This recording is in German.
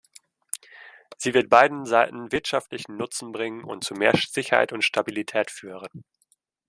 Sie wird beiden Seiten wirtschaftlichen Nutzen bringen und zu mehr Sicherheit und Stabilität führen.